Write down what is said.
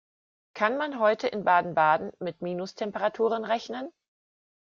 Kann man heute in Baden-Baden mit Minustemperaturen rechnen?